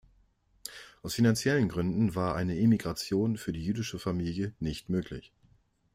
Aus finanziellen Gründen war eine Emigration für die jüdische Familie nicht möglich.